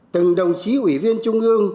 từng đồng chí ủy viên trung ương